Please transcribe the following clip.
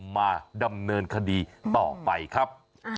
มาดำเนินคดีต่อไปครับ